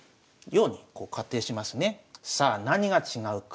さあ何が違うか。